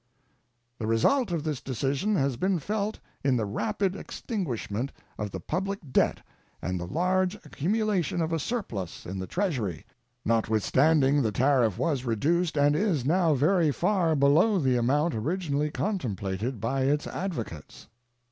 The result of this decision has been felt in the rapid extinguishment of the public debt and the large accumulation of a surplus in the Treasury, notwithstanding the tariff was reduced and is now very far below the amount originally contemplated by its advocates.